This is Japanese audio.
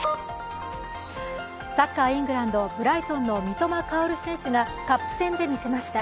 サッカー、イングランドのブライトン・三笘薫選手がカップ戦で見せました。